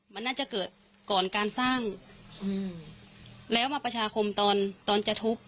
มันน่าจะเกิดก่อนการสร้างอืมแล้วมาประชาคมตอนตอนจะทุบ